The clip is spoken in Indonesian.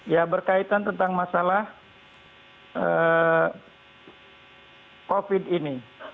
ya berkaitan tentang masalah covid ini